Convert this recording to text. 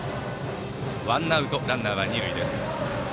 ワンアウトランナーは二塁です。